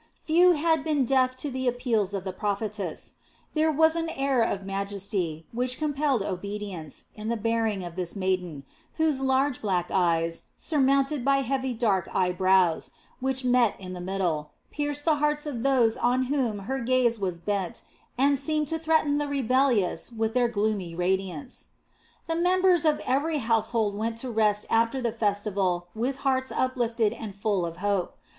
Few had been deaf to the appeals of the prophetess; there was an air of majesty, which compelled obedience, in the bearing of this maiden, whose large black eyes, surmounted by heavy dark eye brows, which met in the middle, pierced the hearts of those on whom her gaze was bent and seemed to threaten the rebellious with their gloomy radiance. The members of every household went to rest after the festival with hearts uplifted and full of hope.